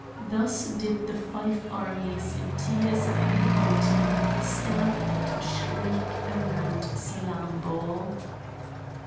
Thus did the five armies in tiers upon the mountain stamp and shriek around Salammbô.